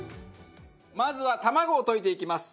まずは卵を溶いていきます。